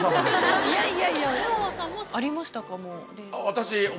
私。